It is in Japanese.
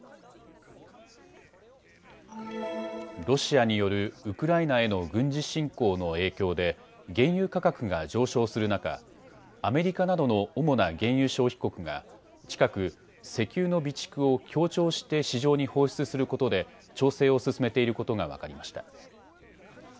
ロシアによるウクライナへの軍事侵攻の影響で原油価格が上昇する中、アメリカなどの主な原油消費国が近く、石油の備蓄を協調して市場に放出することで調整を進めていることが分かりました。